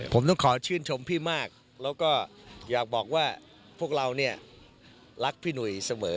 ผมต้องขอชื่นชมพี่มากแล้วก็อยากบอกว่าพวกเราเนี่ยรักพี่หนุ่ยเสมอ